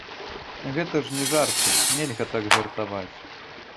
Гэта ж не жарты, нельга так жартаваць.